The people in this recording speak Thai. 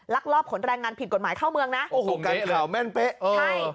รักรอบขนแรงงานผิดกฎหมายเข้าเมืองนะโอ้โหแม่นเป๊ะเออใช่